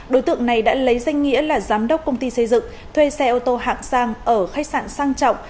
đối tượng này đã lấy danh nghĩa là giám đốc công ty xây dựng thuê xe ô tô hạng sang ở khách sạn sang trọng